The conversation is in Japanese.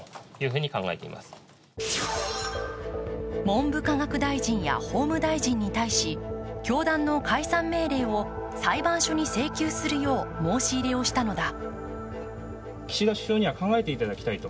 文部科学大臣や法務大臣に対し教団の解散命令を裁判所に請求するよう申し入れをしたのだ。